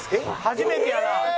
初めてやな。